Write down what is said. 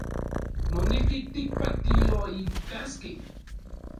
Moneki tikpatioitaskej